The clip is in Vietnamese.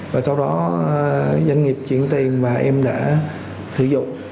và sau đó doanh nghiệp chuyển tiền mà em đã sử dụng